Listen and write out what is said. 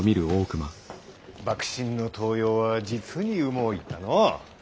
幕臣の登用は実にうもういったのう。